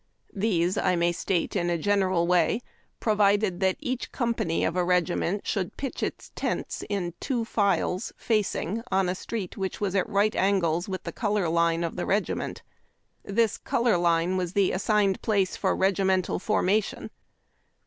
These, I may state in a gen eral way, provided that each company of a regiment should pitch its tents in two files, facing on a street which was at right angles with the color line of the regiment. This color line was the as signed place for regimental formation.